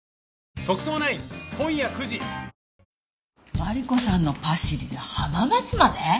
マリコさんのパシリで浜松まで？